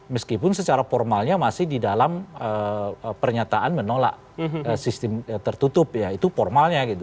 meskipun secara formalnya masih di dalam pernyataan menolak sistem tertutup ya itu formalnya gitu